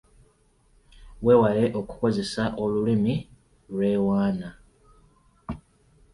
Weewale okukozesa olulimi lwewaana.